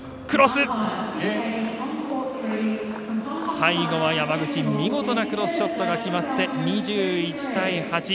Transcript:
最後は山口見事なクロスショットが決まって２１対８。